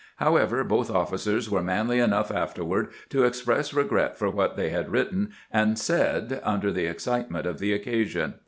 However, both officers were manly enough afterward to express regret for what they had written and said under the excitement of the occasion.